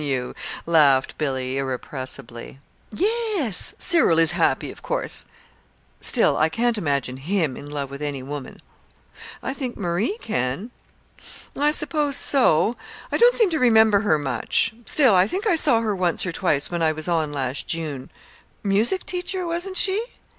"Can you?" laughed Billy, irrepressibly. "Yes. Cyril is happy, of course. Still, I can't imagine him in love with any woman." "I think Marie can." "I suppose so. I don't seem to remember her much; still, I think I saw her once or twice when I was on last June. Music teacher, wasn't she?"